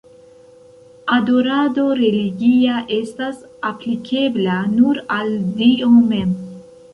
Adorado religia estas aplikebla nur al Dio mem.